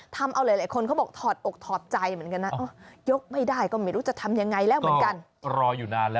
ทำเอาหลายคนเขาบอกถอดอกถอดใจเหมือนกันนะยกไม่ได้ก็ไม่รู้จะทำยังไงแล้วเหมือนกันรออยู่นานแล้ว